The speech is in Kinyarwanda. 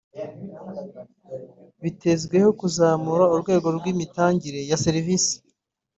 bitezweho kuzamura urwego rw’imitangire ya Serivisi